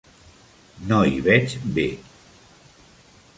No hi veig bé.